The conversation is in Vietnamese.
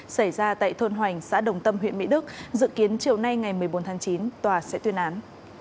xảy ra tại thôn hoành xã đồng tâm huyện mỹ đức dự kiến chiều nay ngày một mươi bốn tháng chín tòa sẽ tuyên án